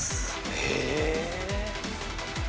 へえ。